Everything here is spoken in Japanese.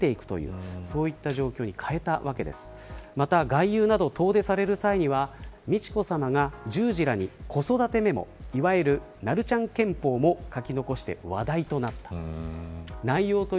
外遊など遠出される際には美智子さまが従事らに子育てメモいわゆるナルちゃん憲法も書き残して話題となった。